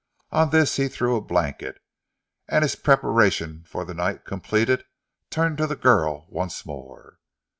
On this he threw a blanket, and his preparation for the night completed, turned to the girl once more.